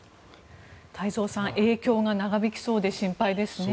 太蔵さん影響が長引きそうで心配ですね。